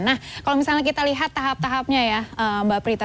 nah kalau misalnya kita lihat tahap tahapnya ya mbak prita